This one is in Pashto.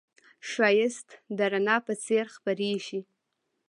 ښایست د رڼا په څېر خپرېږي